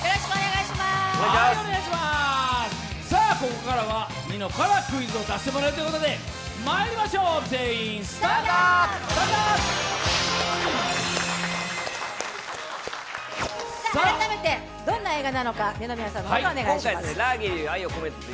ここからはニノからクイズを出してもらえるということでまいりましょう、全員スタンドアップ。